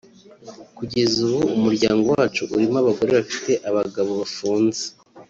kugeza ubu umuryango wacu urimo abagore bafite abagabo bafunze